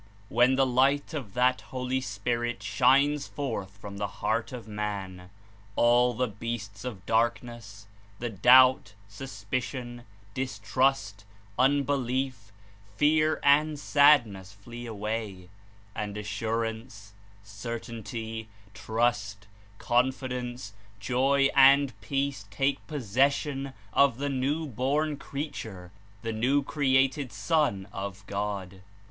When the light of that Holy Spirit shines forth from the heart of man, all the beasts of darkness, 170 the doubt, suspicion, distrust, unbelief, fear and sad ness flee away, and assurance, certainty, trust, con fidence, joy and peace take possession of the new born creature, the new created son of God.